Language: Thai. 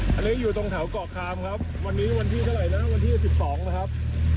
มาแล้วครับมาแล้วครับ